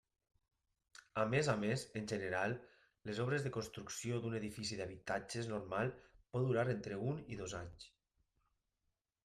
A més a més, en general, les obres de construcció d'un edifici d'habitatges normal pot durar entre un i dos anys.